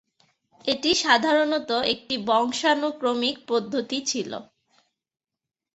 এটি সাধারণত একটি বংশানুক্রমিক পদ্ধতি ছিল।